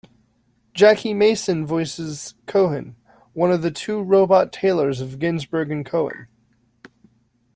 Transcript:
Jackie Mason voices Cohen, one of the two robot tailors of Ginsberg and Cohen.